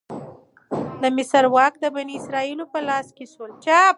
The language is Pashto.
د مصر واک د بنی اسرائیلو په لاس کې شو.